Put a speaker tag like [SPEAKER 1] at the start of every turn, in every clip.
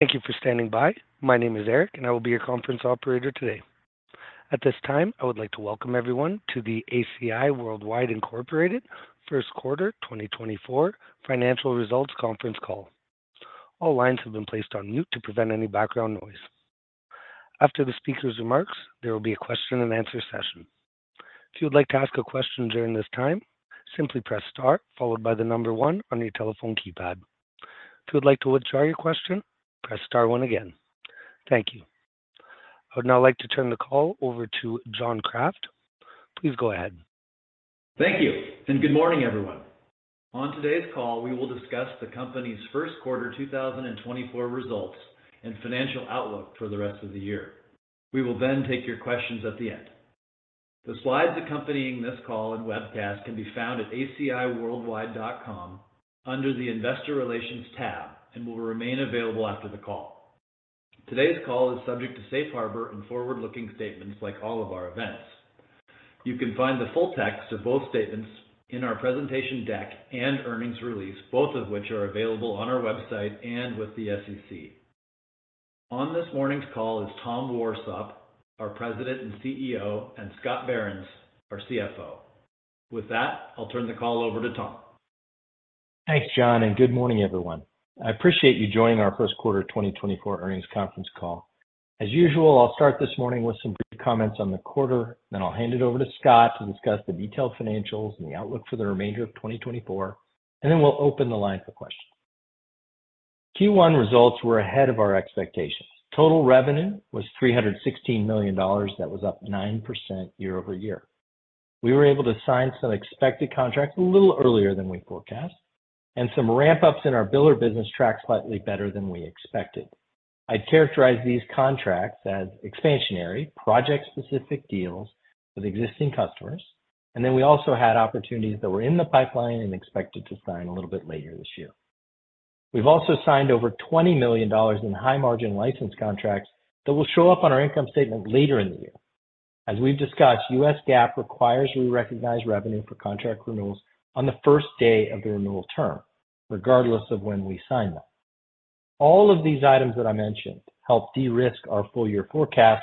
[SPEAKER 1] Thank you for standing by. My name is Eric, and I will be your conference operator today. At this time, I would like to welcome everyone to the ACI Worldwide Incorporated First Quarter 2024 Financial Results Conference Call. All lines have been placed on mute to prevent any background noise. After the speaker's remarks, there will be a question and answer session. If you would like to ask a question during this time, simply press star followed by the number one on your telephone keypad. If you would like to withdraw your question, press star one again. Thank you. I would now like to turn the call over to John Kraft. Please go ahead.
[SPEAKER 2] Thank you, and good morning, everyone. On today's call, we will discuss the company's first quarter 2024 results and financial outlook for the rest of the year. We will then take your questions at the end. The slides accompanying this call and webcast can be found at aciworldwide.com under the Investor Relations tab, and will remain available after the call. Today's call is subject to safe harbor and forward-looking statements, like all of our events. You can find the full text of both statements in our presentation deck and earnings release, both of which are available on our website and with the SEC. On this morning's call is Tom Warsop, our President and CEO, and Scott Behrens, our CFO. With that, I'll turn the call over to Tom.
[SPEAKER 3] Thanks, John, and good morning, everyone. I appreciate you joining our first quarter 2024 earnings conference call. As usual, I'll start this morning with some brief comments on the quarter, then I'll hand it over to Scott to discuss the detailed financials and the outlook for the remainder of 2024, and then we'll open the line for questions. Q1 results were ahead of our expectations. Total revenue was $316 million, that was up 9% year-over-year. We were able to sign some expected contracts a little earlier than we forecast, and some ramp-ups in our biller business tracked slightly better than we expected. I'd characterize these contracts as expansionary, project-specific deals with existing customers, and then we also had opportunities that were in the pipeline and expected to sign a little bit later this year. We've also signed over $20 million in high-margin license contracts that will show up on our income statement later in the year. As we've discussed, U.S. GAAP requires we recognize revenue for contract renewals on the first day of the renewal term, regardless of when we sign them. All of these items that I mentioned help de-risk our full year forecasts,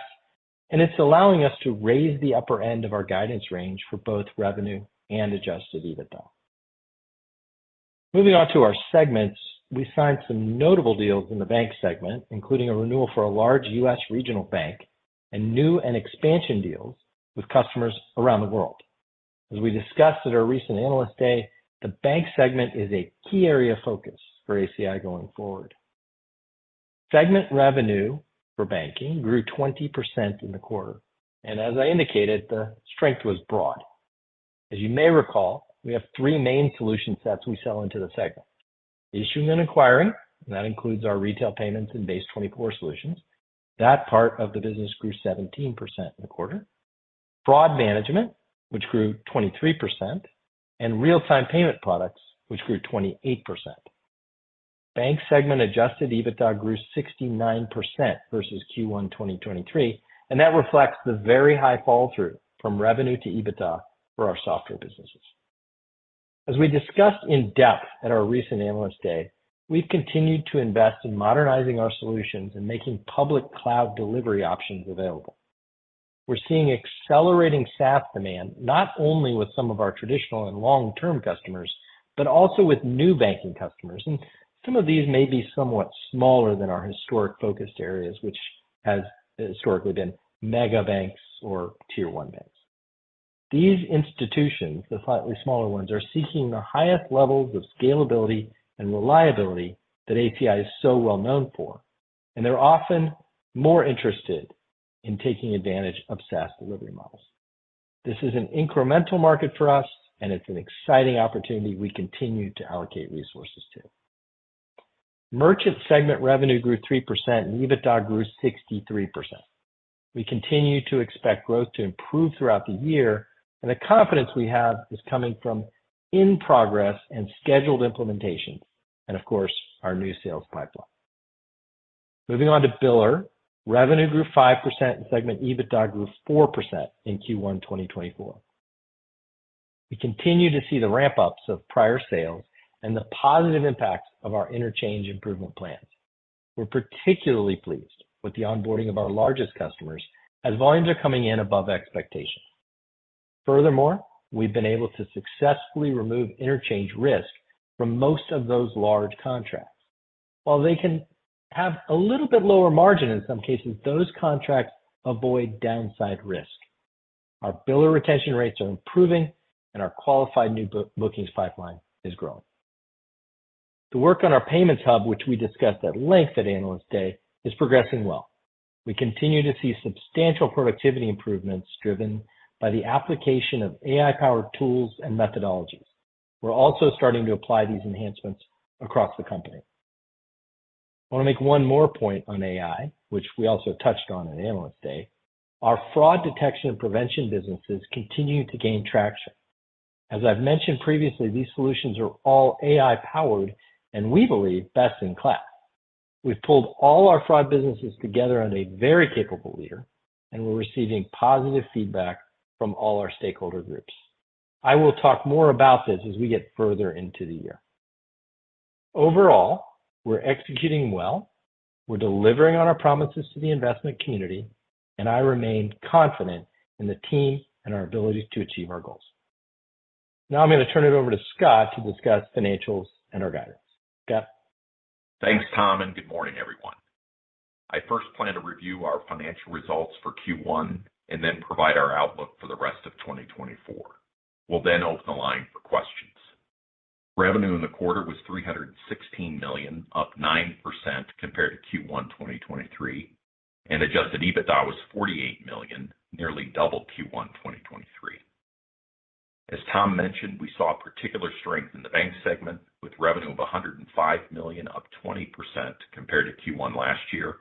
[SPEAKER 3] and it's allowing us to raise the upper end of our guidance range for both revenue and Adjusted EBITDA. Moving on to our segments, we signed some notable deals in the bank segment, including a renewal for a large U.S. regional bank and new and expansion deals with customers around the world. As we discussed at our recent Analyst Day, the bank segment is a key area of focus for ACI going forward. Segment revenue for banking grew 20% in the quarter, and as I indicated, the strength was broad. As you may recall, we have three main solution sets we sell into the segment. Issuing and acquiring, and that includes our retail payments and BASE24 solutions. That part of the business grew 17% in the quarter. Fraud management, which grew 23%, and real-time payment products, which grew 28%. Bank segment Adjusted EBITDA grew 69% versus Q1 2023, and that reflects the very high flow-through from revenue to EBITDA for our software businesses. As we discussed in depth at our recent Analyst Day, we've continued to invest in modernizing our solutions and making public cloud delivery options available. We're seeing accelerating SaaS demand, not only with some of our traditional and long-term customers, but also with new banking customers, and some of these may be somewhat smaller than our historic focused areas, which has historically been mega banks or Tier One banks. These institutions, the slightly smaller ones, are seeking the highest levels of scalability and reliability that ACI is so well known for, and they're often more interested in taking advantage of SaaS delivery models. This is an incremental market for us, and it's an exciting opportunity we continue to allocate resources to. Merchant segment revenue grew 3%, and EBITDA grew 63%. We continue to expect growth to improve throughout the year, and the confidence we have is coming from in-progress and scheduled implementations, and of course, our new sales pipeline. Moving on to biller. Revenue grew 5%, and segment EBITDA grew 4% in Q1 2024. We continue to see the ramp-ups of prior sales and the positive impacts of our interchange improvement plans. We're particularly pleased with the onboarding of our largest customers as volumes are coming in above expectations. Furthermore, we've been able to successfully remove interchange risk from most of those large contracts. While they can have a little bit lower margin in some cases, those contracts avoid downside risk. Our biller retention rates are improving, and our qualified new bookings pipeline is growing. The work on our payments hub, which we discussed at length at Analyst Day, is progressing well. We continue to see substantial productivity improvements driven by the application of AI-powered tools and methodologies. We're also starting to apply these enhancements across the company. I want to make one more point on AI, which we also touched on at Analyst Day. Our fraud detection and prevention businesses continue to gain traction. As I've mentioned previously, these solutions are all AI-powered, and we believe best in class. We've pulled all our fraud businesses together under a very capable leader, and we're receiving positive feedback from all our stakeholder groups.... I will talk more about this as we get further into the year. Overall, we're executing well, we're delivering on our promises to the investment community, and I remain confident in the team and our ability to achieve our goals. Now, I'm going to turn it over to Scott to discuss financials and our guidance. Scott?
[SPEAKER 4] Thanks, Tom, and good morning, everyone. I first plan to review our financial results for Q1 and then provide our outlook for the rest of 2024. We'll then open the line for questions. Revenue in the quarter was $316 million, up 9% compared to Q1 2023, and Adjusted EBITDA was $48 million, nearly double Q1 2023. As Tom mentioned, we saw particular strength in the bank segment, with revenue of $105 million, up 20% compared to Q1 last year,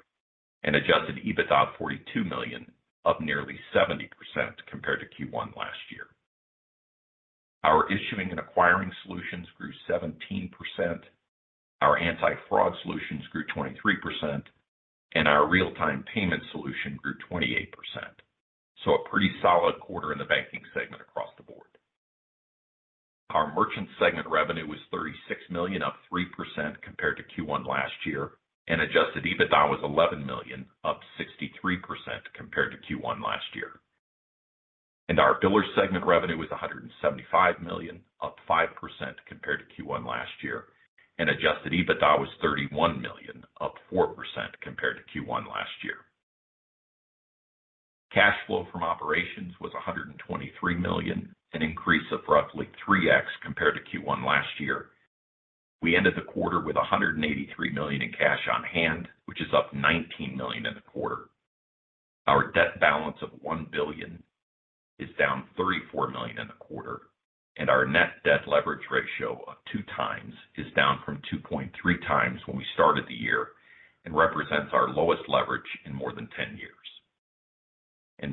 [SPEAKER 4] and Adjusted EBITDA of $42 million, up nearly 70% compared to Q1 last year. Our issuing and acquiring solutions grew 17%, our anti-fraud solutions grew 23%, and our real-time payment solution grew 28%. So a pretty solid quarter in the banking segment across the board. Our merchant segment revenue was $36 million, up 3% compared to Q1 last year, and Adjusted EBITDA was $11 million, up 63% compared to Q1 last year. Our biller segment revenue was $175 million, up 5% compared to Q1 last year, and Adjusted EBITDA was $31 million, up 4% compared to Q1 last year. Cash flow from operations was $123 million, an increase of roughly 3x compared to Q1 last year. We ended the quarter with $183 million in cash on hand, which is up $19 million in the quarter. Our debt balance of $1 billion is down $34 million in the quarter, and our net debt leverage ratio of two times is down from 2.3x when we started the year and represents our lowest leverage in more than 10 years.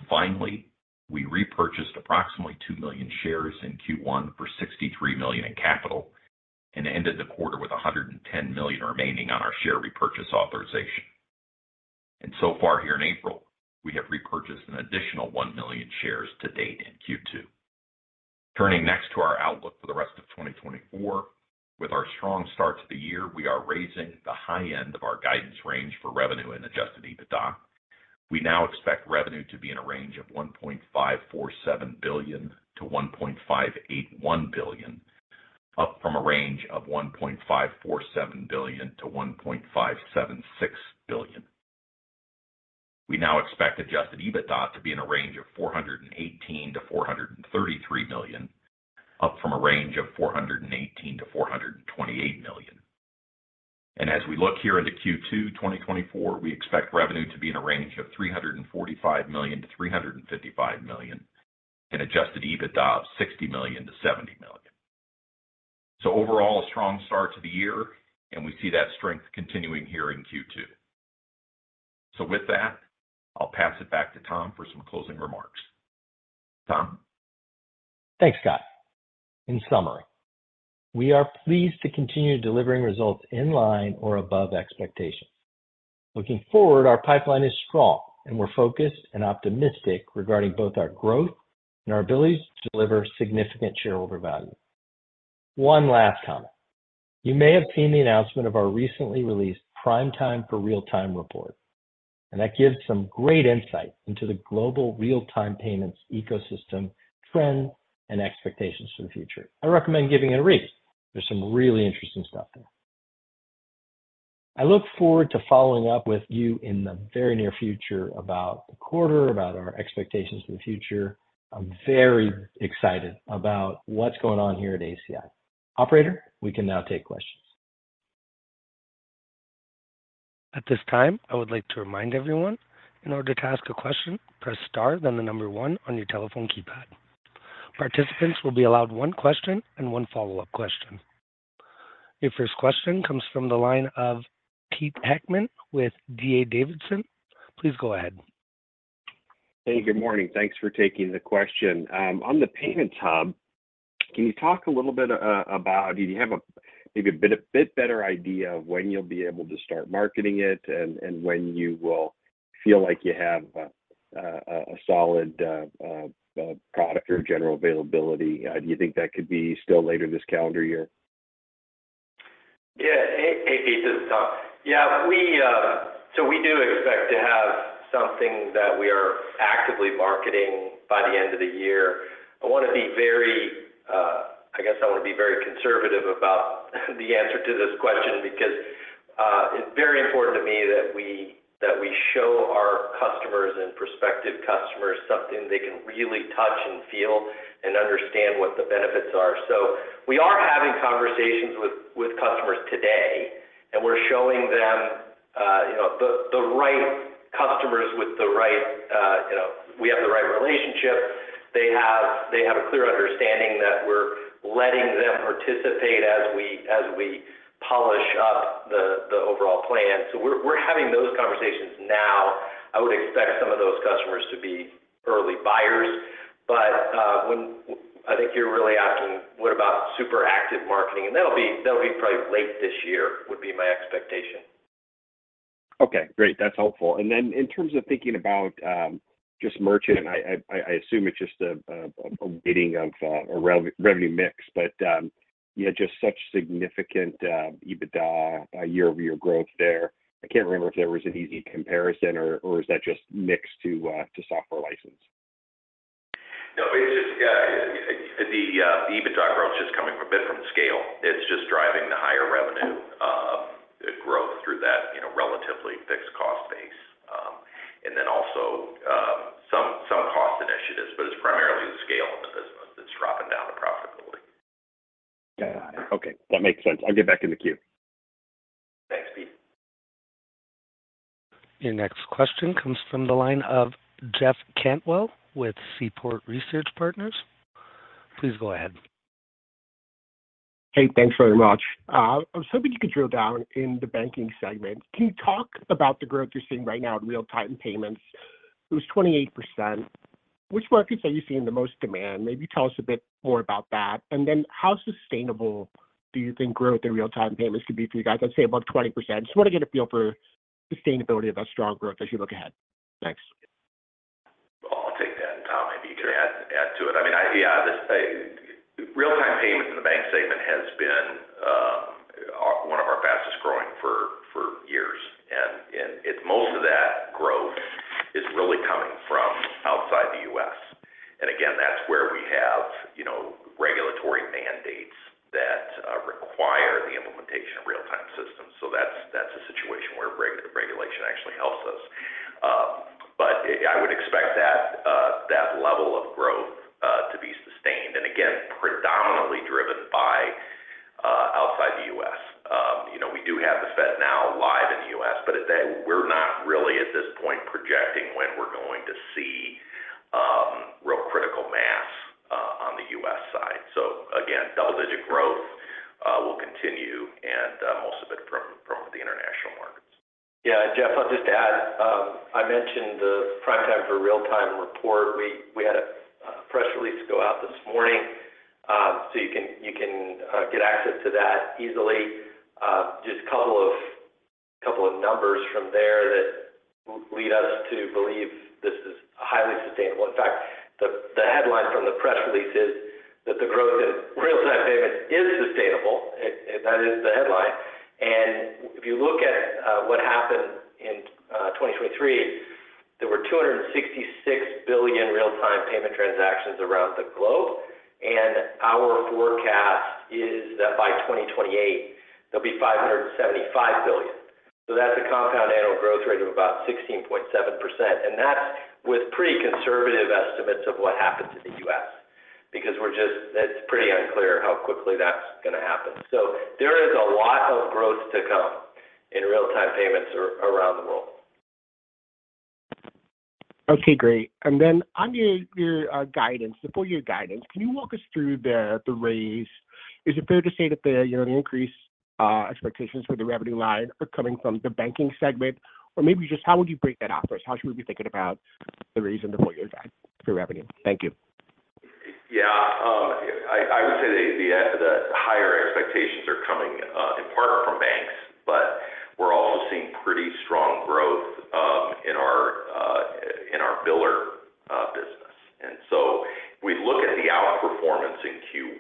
[SPEAKER 4] Finally, we repurchased approximately two million shares in Q1 for $63 million in capital and ended the quarter with $110 million remaining on our share repurchase authorization. So far here in April, we have repurchased an additional one million shares to date in Q2. Turning next to our outlook for the rest of 2024. With our strong start to the year, we are raising the high end of our guidance range for revenue and Adjusted EBITDA. We now expect revenue to be in a range of $1.547 billion-$1.581 billion, up from a range of $1.547 billion-$1.576 billion. We now expect Adjusted EBITDA to be in a range of $418 million-$433 million, up from a range of $418 million-$428 million. And as we look here into Q2 2024, we expect revenue to be in a range of $345 million-$355 million, and Adjusted EBITDA of $60 million-$70 million. So overall, a strong start to the year, and we see that strength continuing here in Q2. So with that, I'll pass it back to Tom for some closing remarks. Tom?
[SPEAKER 3] Thanks, Scott. In summary, we are pleased to continue delivering results in line or above expectations. Looking forward, our pipeline is strong, and we're focused and optimistic regarding both our growth and our ability to deliver significant shareholder value. One last comment. You may have seen the announcement of our recently released Prime Time for Real-Time report, and that gives some great insight into the global real-time payments ecosystem trends and expectations for the future. I recommend giving it a read. There's some really interesting stuff there. I look forward to following up with you in the very near future about the quarter, about our expectations for the future. I'm very excited about what's going on here at ACI. Operator, we can now take questions.
[SPEAKER 1] At this time, I would like to remind everyone, in order to ask a question, press Star, then the number one on your telephone keypad. Participants will be allowed one question and one follow-up question. Your first question comes from the line of Pete Heckmann with D.A. Davidson. Please go ahead.
[SPEAKER 5] Hey, good morning. Thanks for taking the question. On the payment hub, can you talk a little bit about. Do you have maybe a bit better idea of when you'll be able to start marketing it and when you will feel like you have a solid product or general availability? Do you think that could be still later this calendar year?
[SPEAKER 3] Yeah. Hey, hey, Pete, this is Tom. Yeah, we so we do expect to have something that we are actively marketing by the end of the year. I want to be very, I guess I want to be very conservative about the answer to this question because it's very important to me that we show our customers and prospective customers something they can really touch and feel and understand what the benefits are. So we are having conversations with customers today, and we're showing them, you know, the right customers with the right, you know, we have the right relationship. They have a clear understanding that we're letting them participate as we polish up the overall plan. So we're having those conversations now. I would expect some of those customers to be early buyers, but I think you're really asking, what about super active marketing? And that'll be probably late this year, would be my expectation.
[SPEAKER 5] ...Okay, great. That's helpful. And then in terms of thinking about just merchant, and I assume it's just a weighting of a revenue mix, but you had just such significant EBITDA year-over-year growth there. I can't remember if there was an easy comparison or is that just mixed to software license?
[SPEAKER 4] No, it's just the EBITDA growth is just coming from a bit from scale. It's just driving the higher revenue growth through that, you know, relatively fixed cost base. And then also some cost initiatives, but it's primarily the scale of the business that's dropping down the profitability.
[SPEAKER 5] Got it. Okay, that makes sense. I'll get back in the queue.
[SPEAKER 4] Thanks, Pete.
[SPEAKER 1] Your next question comes from the line of Jeff Cantwell with Seaport Research Partners. Please go ahead.
[SPEAKER 6] Hey, thanks very much. I was hoping you could drill down in the banking segment. Can you talk about the growth you're seeing right now in real-time payments? It was 28%. Which markets are you seeing the most demand? Maybe tell us a bit more about that. And then how sustainable do you think growth in real-time payments could be for you guys? I'd say about 20%. Just want to get a feel for sustainability of that strong growth as you look ahead. Thanks.
[SPEAKER 4] I'll take that, and Tom, maybe you can add to it. I mean, this real-time payments in the bank segment has been one of our fastest growing for years, and it's most of that growth is really coming from outside the U.S. And again, that's where we have, you know, regulatory mandates that require the implementation of real-time systems. So that's a situation where regulation actually helps us. But I would expect that level of growth to be sustained, and again, predominantly driven by outside the U.S. You know, we do have the FedNow live in the U.S., but that we're not really, at this point, projecting when we're going to see real critical mass on the U.S. side. So again, double-digit growth will continue, and most of it from the international markets.
[SPEAKER 3] Yeah, Jeff, I'll just add, I mentioned the Prime Time for Real-Time report. We had a press release go out this morning, so you can get access to that easily. Just a couple of numbers from there that lead us to believe this is highly sustainable. In fact, the headline from the press release is that the growth in real-time payment is sustainable, and that is the headline. And if you look at what happened in 2023, there were 266 billion real-time payment transactions around the globe, and our forecast is that by 2028, there'll be 575 billion. So that's a compound annual growth rate of about 16.7%, and that's with pretty conservative estimates of what happens in the U.S. because we're just. It's pretty unclear how quickly that's gonna happen. So there is a lot of growth to come in real-time payments around the world.
[SPEAKER 6] Okay, great. And then on your guidance, the full year guidance, can you walk us through the raise? Is it fair to say that the, you know, increased expectations for the revenue line are coming from the banking segment? Or maybe just how would you break that out for us? How should we be thinking about the reason, the full year guide for revenue? Thank you.
[SPEAKER 4] Yeah, I would say the higher expectations are coming in part from banks, but we're also seeing pretty strong growth in our biller business. And so if we look at the outperformance in Q1,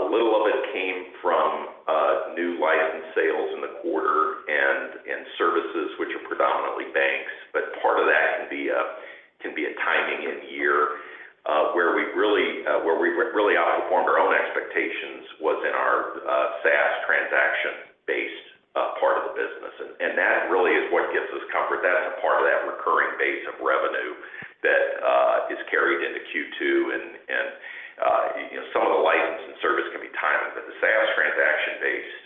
[SPEAKER 4] a little of it came from new license sales in the quarter and services, which are predominantly banks, but part of that can be a timing in year where we really outperformed our own expectations was in our SaaS transaction-based part of the business. And that really is what gives us comfort. That is a part of that recurring base of revenue that is carried into Q2. And, you know, some of the license and service can be timed, but the SaaS transaction-based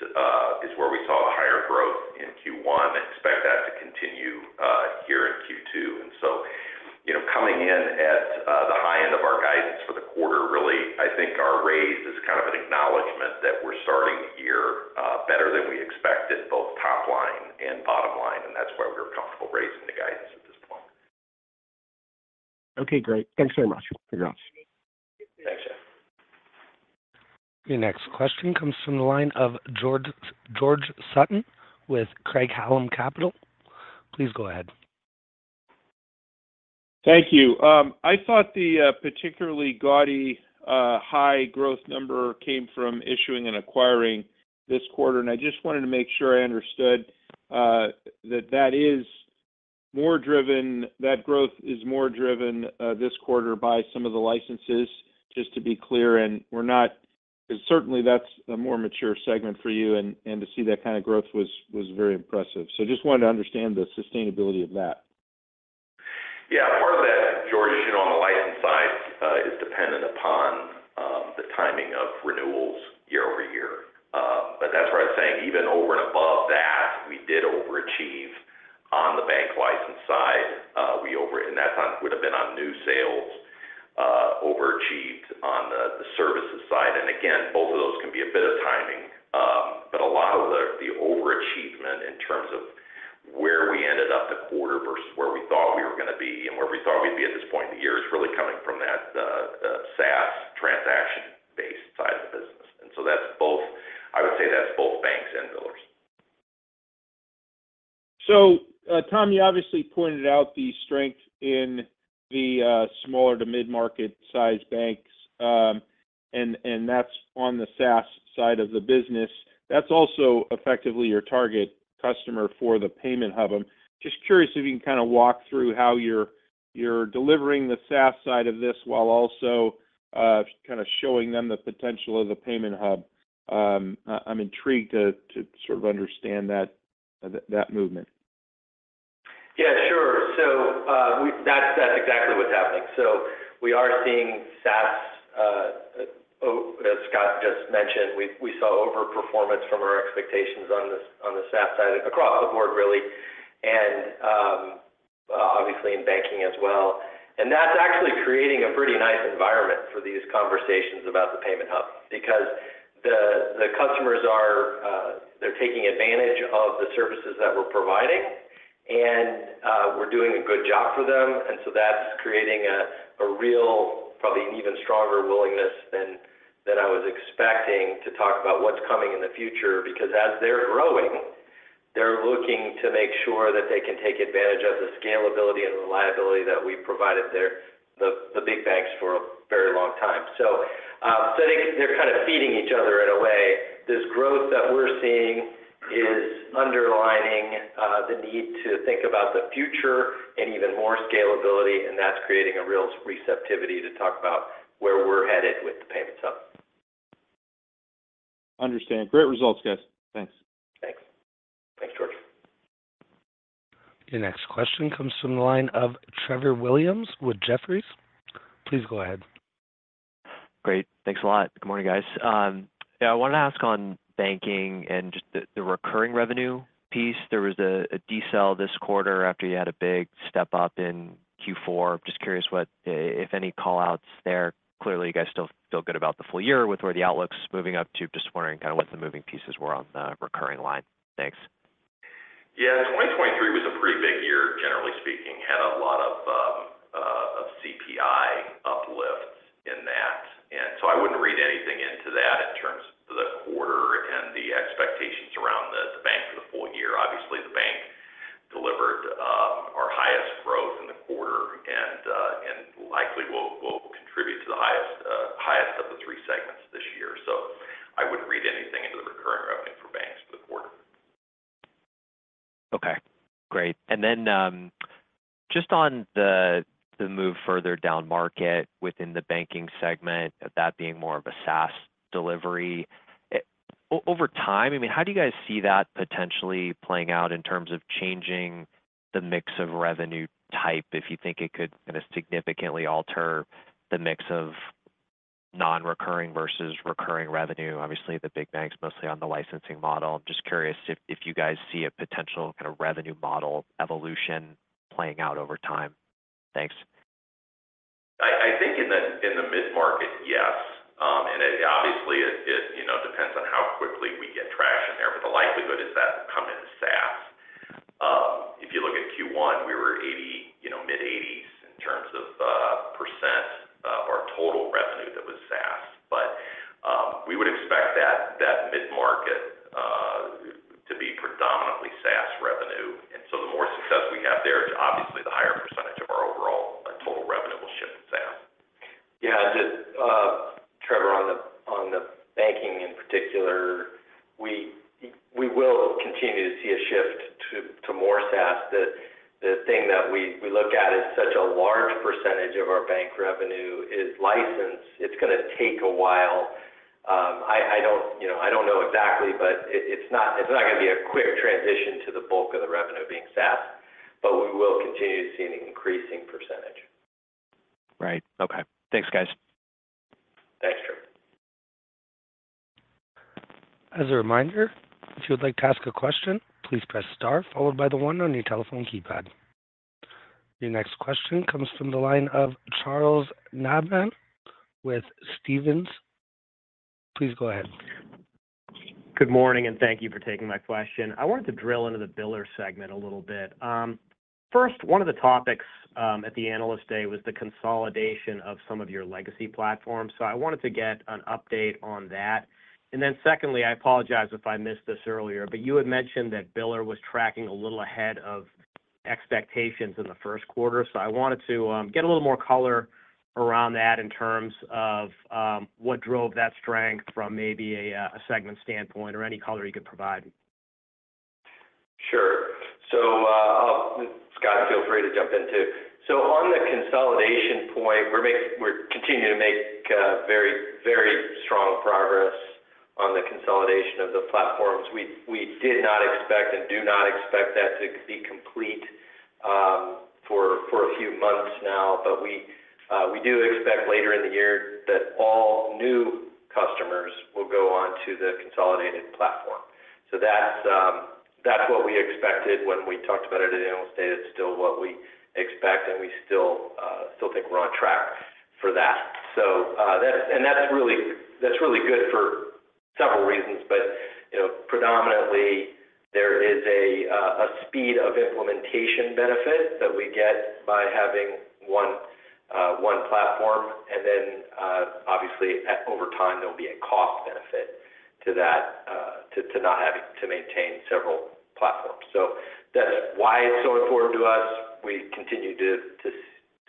[SPEAKER 4] is where we saw the higher growth in Q1 and expect that to continue here in Q2. And so, you know, coming in at the high end of our guidance for the quarter, really, I think our raise is kind of an acknowledgment that we're starting the year better than we expected, both top line and bottom line, and that's why we're comfortable raising the guidance at this point.
[SPEAKER 6] Okay, great. Thanks very much.
[SPEAKER 4] Thanks, Jeff.
[SPEAKER 1] Your next question comes from the line of George, George Sutton with Craig-Hallum Capital. Please go ahead.
[SPEAKER 7] Thank you. I thought the particularly gaudy high growth number came from issuing and acquiring this quarter, and I just wanted to make sure I understood that that is more driven- that growth is more driven this quarter by some of the licenses. Just to be clear, and we're not... Because certainly, that's a more mature segment for you, and to see that kind of growth was very impressive. So just wanted to understand the sustainability of that.
[SPEAKER 4] Yeah. Part of that, George, you know, on the license side, is dependent upon the timing of renewals year-over-year. But that's why I was saying even over and above that, we did overachieve on the bank license side. And that's on would have been on new sales overachieved on the services side. And again, both of those can be a bit of timing, but a lot of the overachievement in terms of where we ended up the quarter versus where we thought we were gonna be and where we thought we'd be at this point in the year, is really coming from that SaaS transaction-based side of the business. And so that's both, I would say that's both banks and billers.
[SPEAKER 7] So, Tom, you obviously pointed out the strength in the smaller to mid-market size banks, and that's on the SaaS side of the business. That's also effectively your target customer for the Payments hub. I'm just curious if you can kind of walk through how you're delivering the SaaS side of this, while also kind of showing them the potential of the Payments hub. I'm intrigued to sort of understand that movement.
[SPEAKER 3] Yeah, sure. So, that's exactly what's happening. So we are seeing SaaS, as Scott just mentioned, we saw overperformance from our expectations on the SaaS side, across the board really, and obviously in banking as well. And that's actually creating a pretty nice environment for these conversations about the payment hub because the customers are... They're taking advantage of the services that we're providing, and we're doing a good job for them. And so that's creating a real, probably an even stronger willingness than I was expecting to talk about what's coming in the future. Because as they're growing, they're looking to make sure that they can take advantage of the scalability and reliability that we've provided the big banks for a very long time. So, they're kind of feeding each other in a way. This growth that we're seeing is underlining the need to think about the future and even more scalability, and that's creating a real receptivity to talk about where we're headed with the payments hub.
[SPEAKER 7] Understand. Great results, guys. Thanks.
[SPEAKER 3] Thanks. Thanks, George.
[SPEAKER 1] Your next question comes from the line of Trevor Williams with Jefferies. Please go ahead.
[SPEAKER 8] Great. Thanks a lot. Good morning, guys. Yeah, I wanted to ask on banking and just the recurring revenue piece. There was a decel this quarter after you had a big step-up in Q4. Just curious what the, if any, call-outs there. Clearly, you guys still feel good about the full year with where the outlook's moving up to. Just wondering kind of what the moving pieces were on the recurring line. Thanks.
[SPEAKER 4] Yeah, 2023 was a pretty big year, generally speaking. Had a lot of CPI uplifts in that, and so I wouldn't read anything into that in terms of the quarter and the expectations around the bank for the full year. Obviously, the bank delivered our highest growth in the quarter and likely will contribute to the highest of the three segments this year. So I wouldn't read anything into the recurring revenue for banks for the quarter.
[SPEAKER 8] Okay, great. And then, just on the move further down market within the banking segment, that being more of a SaaS delivery, over time, I mean, how do you guys see that potentially playing out in terms of changing the mix of revenue type? If you think it could kind of significantly alter the mix of non-recurring versus recurring revenue. Obviously, the big banks, mostly on the licensing model. Just curious if you guys see a potential kind of revenue model evolution playing out over time. Thanks.
[SPEAKER 4] I think in the mid-market, yes, and it obviously, you know, depends on how quickly we get traction there, but the likelihood is that will come in as SaaS. If you look at Q1, we were 80, you know, mid-80s in terms of % of our total revenue that was SaaS. But we would expect that mid-market to be predominantly SaaS revenue. And so the more success we have there, obviously, the higher percentage of our overall total revenue will ship in SaaS. Yeah, just, Trevor, on the, on the banking in particular, we, we will continue to see a shift to, to more SaaS. The, the thing that we, we look at is such a large percentage of our bank revenue is licensed. It's gonna take a while. I, I don't, you know, I don't know exactly, but it, it's not, it's not gonna be a quick transition to the bulk of the revenue being SaaS, but we will continue to see an increasing percentage.
[SPEAKER 8] Right. Okay. Thanks, guys.
[SPEAKER 4] Thanks, Trevor.
[SPEAKER 1] As a reminder, if you would like to ask a question, please press star, followed by the one on your telephone keypad. Your next question comes from the line of Charles Nabhan with Stephens. Please go ahead.
[SPEAKER 9] Good morning, and thank you for taking my question. I wanted to drill into the biller segment a little bit. First, one of the topics at the Analyst Day was the consolidation of some of your legacy platforms, so I wanted to get an update on that. And then secondly, I apologize if I missed this earlier, but you had mentioned that biller was tracking a little ahead of expectations in the first quarter. So I wanted to get a little more color around that in terms of what drove that strength from maybe a segment standpoint or any color you could provide.
[SPEAKER 3] Sure. So, I'll—Scott, feel free to jump in too. So on the consolidation point, we're continuing to make very, very strong progress on the consolidation of the platforms. We did not expect and do not expect that to be complete for a few months now. But we do expect later in the year that all new customers will go on to the consolidated platform. So that's what we expected when we talked about it at Analyst Day. That's still what we expect, and we still think we're on track for that. So, that's and that's really, that's really good for several reasons, but, you know, predominantly. There is a speed of implementation benefit that we get by having one platform, and then, obviously, over time, there'll be a cost benefit to that, to not having to maintain several platforms. So that's why it's so important to us. We continue to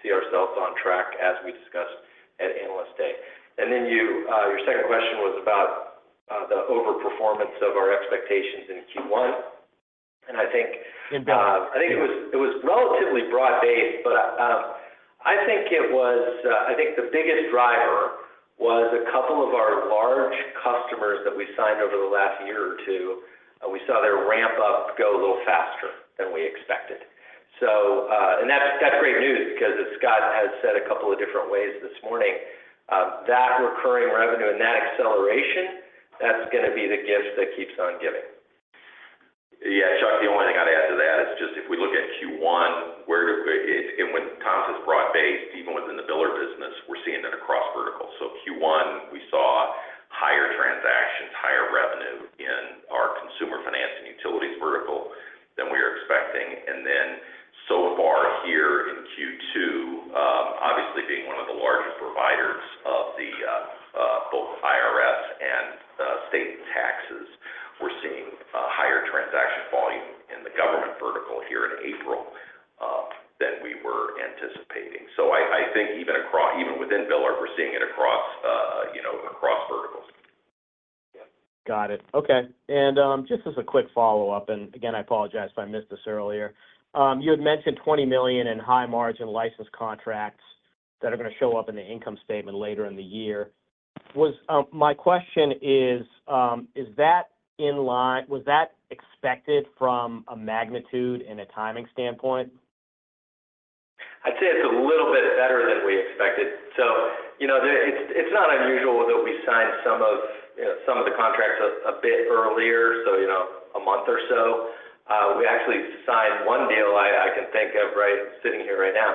[SPEAKER 3] see ourselves on track as we discussed at Analyst Day. And then your second question was about the overperformance of our expectations in Q1. And I think, I think it was relatively broad-based, but, I think it was the biggest driver was a couple of our large customers that we signed over the last year or two, and we saw their ramp up go a little faster than we expected. So, and that's, that's great news because as Scott has said a couple of different ways this morning, that recurring revenue and that acceleration, that's gonna be the gift that keeps on giving.
[SPEAKER 4] Yeah, Chuck, the only thing I'd add to that is just if we look at Q1 and when Tom says broad-based, even within the biller business, we're seeing it across verticals. So Q1, we saw higher transactions, higher revenue in our consumer finance and utilities vertical than we were expecting. And then, so far here in Q2, obviously, being one of the largest providers of both IRS and state taxes, we're seeing a higher transaction volume in the government vertical here in April than we were anticipating. So I think even across even within biller, we're seeing it across, you know, across verticals.
[SPEAKER 9] Got it. Okay. And, just as a quick follow-up, and again, I apologize if I missed this earlier. You had mentioned $20 million in high-margin license contracts that are gonna show up in the income statement later in the year. My question is, is that in line? Was that expected from a magnitude and a timing standpoint?
[SPEAKER 3] I'd say it's a little bit better than we expected. So you know, it's not unusual that we sign some of, you know, some of the contracts a bit earlier, so you know, a month or so. We actually signed one deal I can think of right sitting here right now,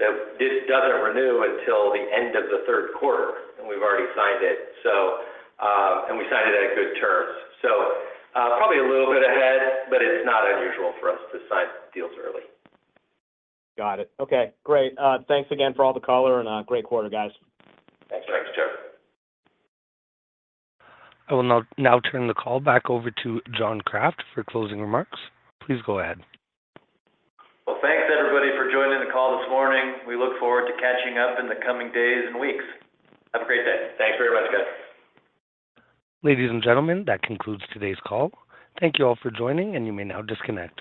[SPEAKER 3] that this doesn't renew until the end of the third quarter, and we've already signed it. So, and we signed it at good terms. So, probably a little bit ahead, but it's not unusual for us to sign deals early.
[SPEAKER 9] Got it. Okay, great. Thanks again for all the color, and great quarter, guys.
[SPEAKER 4] Thanks.
[SPEAKER 3] Thanks, Chuck.
[SPEAKER 1] I will now turn the call back over to John Kraft for closing remarks. Please go ahead.
[SPEAKER 2] Well, thanks, everybody, for joining the call this morning. We look forward to catching up in the coming days and weeks. Have a great day.
[SPEAKER 4] Thanks very much, guys.
[SPEAKER 1] Ladies and gentlemen, that concludes today's call. Thank you all for joining, and you may now disconnect.